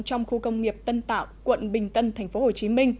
trong khu công nghiệp tân tạo quận bình tân tp hcm